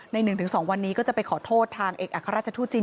ใน๑๒วันนี้ก็จะไปขอโทษทางเอกอัครราชทูตจีน